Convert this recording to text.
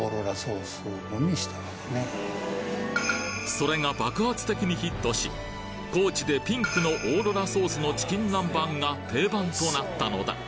それが爆発的にヒットし高知でピンクのオーロラソースのチキンナンバンが定番となったのだ